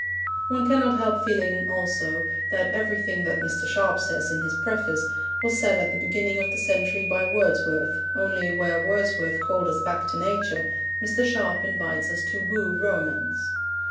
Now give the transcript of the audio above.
One cannot help feeling also that everything that Mr. Sharp says in his preface was said at the beginning of the century by Wordsworth, only where Wordsworth called us back to nature, Mr. Sharp invites us to woo romance.